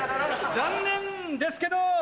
残念ですけど‼